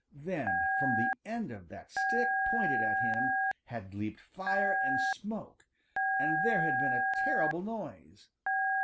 Then from the end of that stick pointed at him had leaped fire and smoke, and there had been a terrible noise.